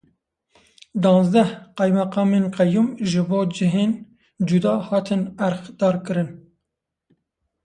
Duwazdeh qeymeqamên qeyûm ji bo cihên cuda hatin erkdarkirin.